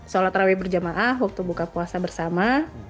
sholat raweh berjamaah waktu buka puasa bersama